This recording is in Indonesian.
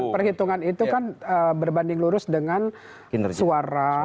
perhitungan itu kan berbanding lurus dengan suara